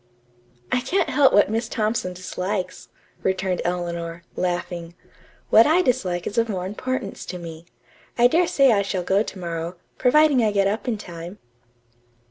"I can't help what Miss Thompson dislikes," returned Eleanor, laughing. "What I dislike is of more importance to me. I dare say I shall go to morrow, providing I get up in time."